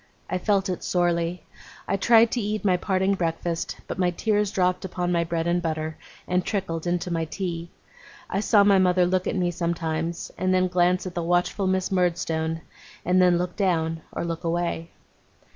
I felt it sorely. I tried to eat my parting breakfast, but my tears dropped upon my bread and butter, and trickled into my tea. I saw my mother look at me sometimes, and then glance at the watchful Miss Murdstone, and than look down, or look away.